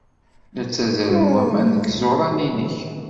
La ttazzalen waman deg yiẓuran-nnek.